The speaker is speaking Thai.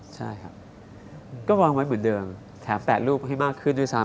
ใช่ครับก็วางไว้เหมือนเดิมแถมแปะรูปให้มากขึ้นด้วยซ้ำ